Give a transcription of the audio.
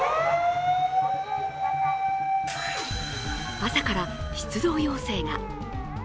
朝から出動要請が。